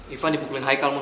ivan dipukulin haikal mon